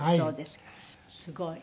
すごい。